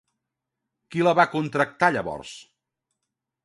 Qui la va contractar llavors?